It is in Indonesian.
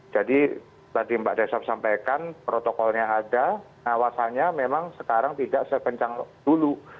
jadi tadi mbak desa sampaikan protokolnya ada awasannya memang sekarang tidak sepencang dulu